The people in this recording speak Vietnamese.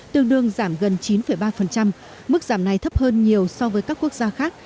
tương đương giảm gần chín ba mức giảm này thấp hơn nhiều so với các quốc gia khác